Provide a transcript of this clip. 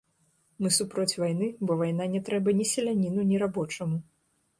Мы супроць вайны, бо вайна не трэба ні селяніну, ні рабочаму.